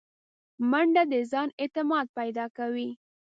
منډه د ځان اعتماد پیدا کوي